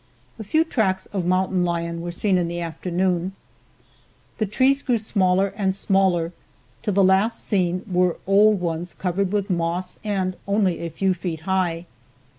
A few tracks of Mountain lion were seen in the afternoon. The trees grew smaller and smaller till the last seen were old ones covered with moss and only a few feet high.